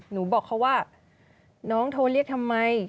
หนูบอกเขาว่าน้องโทรเรียกทำไม